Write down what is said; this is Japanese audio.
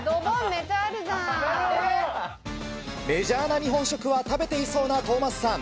メジャーな日本食は食べていそうなトーマスさん。